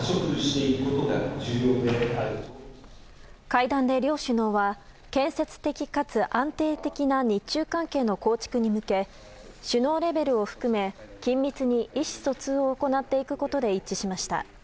会談で両首脳は、建設的かつ安定的な日中関係の構築のため首脳レベルを含め緊密に意思疎通を行っていくことで一致しました。